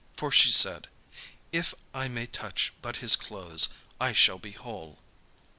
For she said: "If I may touch but his clothes, I shall be whole."